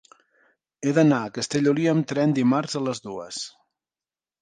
He d'anar a Castellolí amb tren dimarts a les dues.